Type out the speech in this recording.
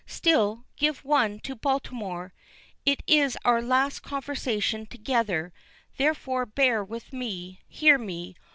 Still, give one to Baltimore. It is our last conversation together, therefore bear with me hear me.